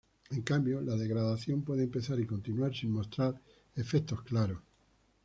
En cambio la degradación puede empezar y continuar sin mostrar efectos claros.